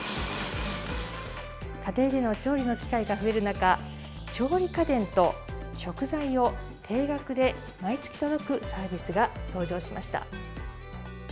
家庭での調理の機会が増える中、調理家電と食材を定額で毎月届くサービスが登場しました。